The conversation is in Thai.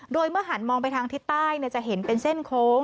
โดยเมื่อหันมองไปทางทิศใต้จะเห็นเป็นเส้นโค้ง